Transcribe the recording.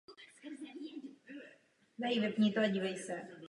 Bývá považován za předchůdce Michelangela.